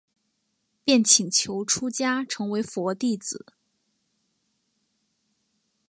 便请求出家成为佛弟子。